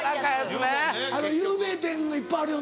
有名店のいっぱいあるよな。